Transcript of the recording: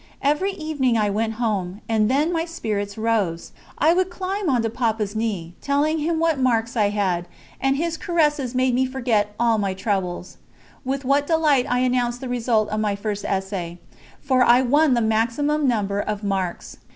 Every evening I went home, and then my spirits rose. I would climb on to Papa's knee, telling him what marks I had, and his caresses made me forget all my troubles. With what delight I announced the result of my first essay, for I won the maximum number of marks.